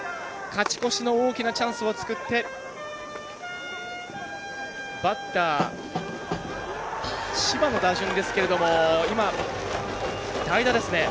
勝ち越しの大きなチャンスを作ってバッター、柴の打順ですけども代打ですね。